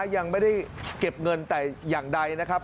ยังไม่ได้เก็บเงินแต่อย่างใดนะครับ